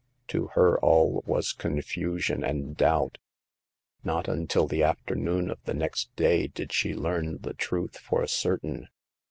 To her all was confusion and doubt. Not until the afternoon of the next day did she learn the truth for certain.